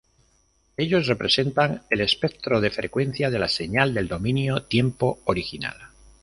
Ellos representan el espectro de frecuencia de la señal del dominio-tiempo original.